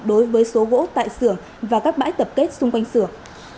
đối với số gỗ tại xưởng và các bãi tập kết xung quanh xưởng